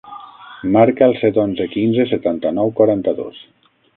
Marca el set, onze, quinze, setanta-nou, quaranta-dos.